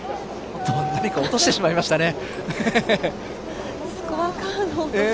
何か落としてしまいましたね。